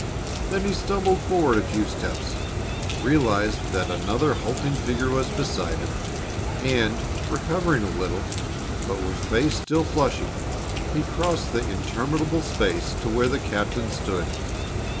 Then he stumbled forward a few steps, realized that another halting figure was beside him, and, recovering a little, but with face still flushing, he crossed the interminable space to where the captain stood.